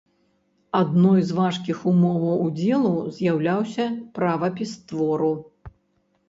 Адной з важкіх умоваў удзелу з'яўляўся правапіс твору.